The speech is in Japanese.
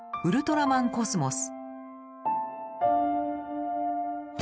ウルトラマンコスモス！